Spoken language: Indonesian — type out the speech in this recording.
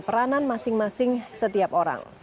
peranan masing masing setiap orang